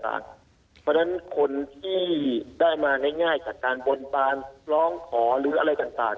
เพราะฉะนั้นคนที่ได้มาง่ายจากการบนบานร้องขอหรืออะไรต่าง